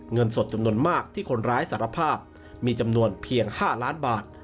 เงินสดจำนวนมากที่คนร้ายสารภาพมีจำนวนเพียง๕ล้านบาท